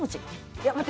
いや私。